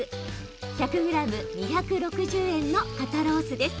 １００ｇ２６０円の肩ロースです。